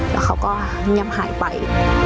แล้วเขาก็เงียบหายไป